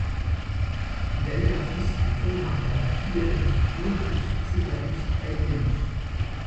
Il a eu un fils du premier mariage, Tiberius Plautius Silvanus Aelianus.